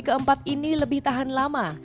keempat ini lebih tahan lama